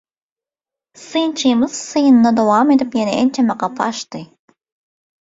Synçymyz synyna dowam edip ýene ençeme gapy açdy.